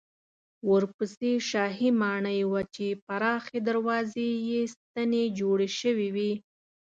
ورپسې شاهي ماڼۍ وه چې پراخې دروازې یې ستنې جوړې شوې وې.